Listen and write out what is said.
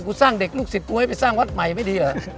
สร้างเด็กลูกศิษย์กูให้ไปสร้างวัดใหม่ไม่ดีเหรอ